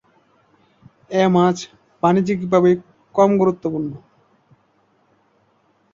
এ মাছ বাণিজ্যিকভাবে কম গুরুত্বপূর্ণ।